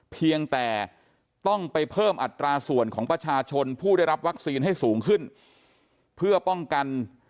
เพียงแต่ต้องไปเพิ่มอัตราส่วนของประชาชนผู้ได้รับวัคซีนให้สูงขึ้นเพื่อป้องกัน